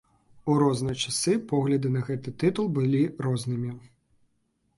У розныя часы погляды на гэты тытул былі рознымі.